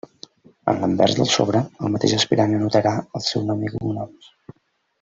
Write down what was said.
En l'anvers del sobre, el mateix aspirant anotarà el seu nom i cognoms.